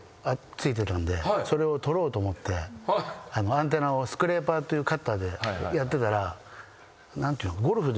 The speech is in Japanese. アンテナをスクレーパーというカッターでやってたら。